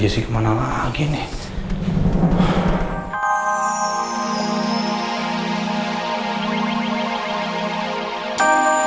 jangan berdekat kejar ya